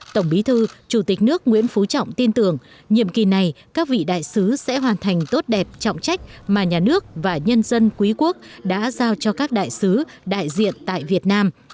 tổng bí thư chủ tịch nước nguyễn phú trọng tin tưởng nhiệm kỳ này các vị đại sứ sẽ hoàn thành tốt đẹp trọng trách mà nhà nước và nhân dân quý quốc đã giao cho các đại sứ đại diện tại việt nam